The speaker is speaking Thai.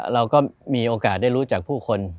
เราก็มีโอกาสได้รู้จักผู้คน